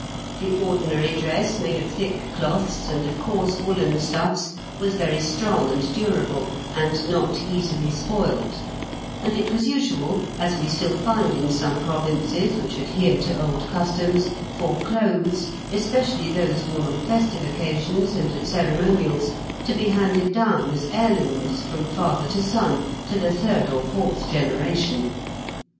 The ordinary dress made of thick cloths and of coarse woollen stuffs was very strong and durable, and not easily spoiled; and it was usual, as we still find in some provinces which adhere to old customs, for clothes, especially those worn on festive occasions and at ceremonials, to be handed down as heirlooms from father to son, to the third or fourth generation.